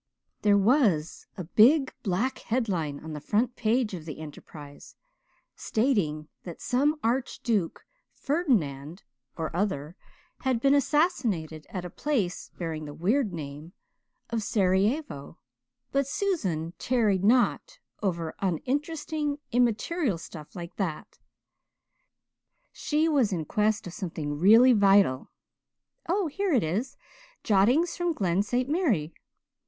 There was a big, black headline on the front page of the Enterprise, stating that some Archduke Ferdinand or other had been assassinated at a place bearing the weird name of Sarajevo, but Susan tarried not over uninteresting, immaterial stuff like that; she was in quest of something really vital. Oh, here it was "Jottings from Glen St. Mary."